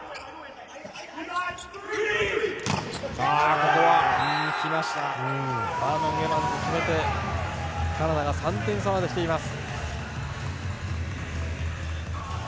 ここはバーノン・エバンズが決めてカナダが３点差まで来ています。